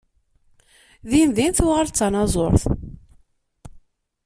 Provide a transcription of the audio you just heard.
Dindin tuɣal d tanaẓurt.